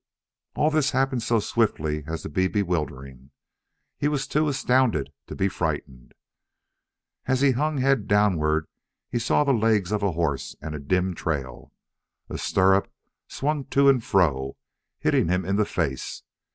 All this happened so swiftly as to be bewildering. He was too astounded to be frightened. As he hung head downward he saw the legs of a horse and a dim trail. A stirrup swung to and fro, hitting him in the face.